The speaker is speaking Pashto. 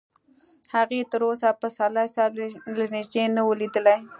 هغې تر اوسه پسرلي صاحب له نږدې نه و لیدلی